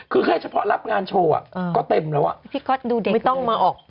คอนเสิร์ตโทรตามสถานที่ต่าง